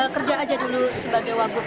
kerja aja dulu sebagai wagub